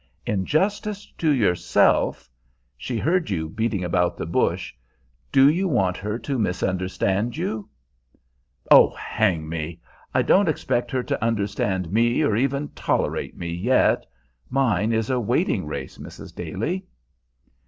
In justice to yourself she heard you beating about the bush do you want her to misunderstand you?" "Oh, hang me! I don't expect her to understand me, or even tolerate me, yet. Mine is a waiting race, Mrs. Daly."